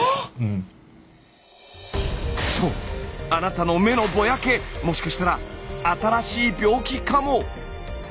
そうあなたの目のぼやけもしかしたら新しい病気かも。